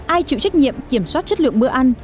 ai chịu trách nhiệm kiểm soát chất lượng bữa ăn